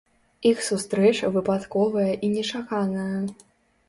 Іх сустрэча выпадковая і нечаканая.